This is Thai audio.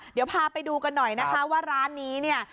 เดี๋ยวพาไปดูกันหน่อยนะคะว่าร้านนี้เนี่ย